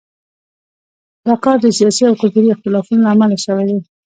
دا کار د سیاسي او کلتوري اختلافونو له امله شوی دی.